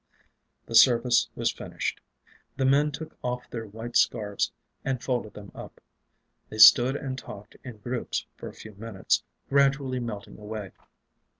The service was finished. The men took off their white scarfs and folded them up. They stood and talked in groups for a few minutes, gradually melting away.